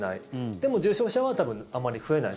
でも、重症者は多分あんまり増えない。